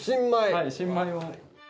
はい新米を。